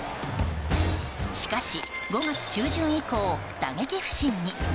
しかし、５月中旬以降打撃不振に。